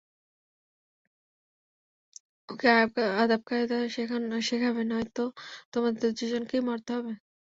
ওকে আদবকায়দা শেখাবে, নয়ত তোমাদের দুজনকেই মরতে হবে।